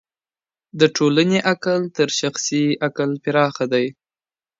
د ټولني عقل تر شخصي عقل پراخه دی.